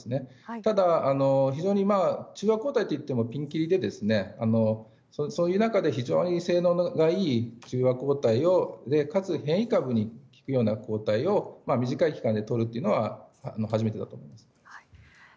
ただ、非常に中和抗体といってもピンキリで、そういう中で非常に性能がいい中和抗体でかつ変異型に効くような中和抗体を短い期間でとるというのは初めてだと思います。